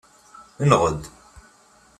Nɣed.